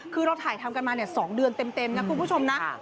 คือเราถ่ายทำกันมา๒เดือนเต็มนะคุณผู้ชมนะ